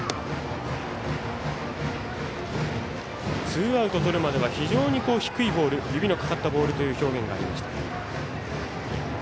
ツーアウトとるまでは非常に低いボール指のかかったボールという表現がありました。